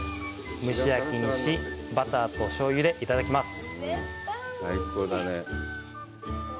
蒸し焼きにし、バターと醤油でいただきます。